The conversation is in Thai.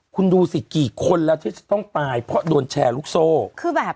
คุณดูสิกี่คนแล้วที่จะต้องตายเพราะโดนแชร์ลูกโซ่คือแบบ